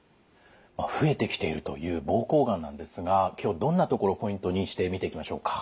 増えてきているという膀胱がんなんですが今日どんなところポイントにして見ていきましょうか。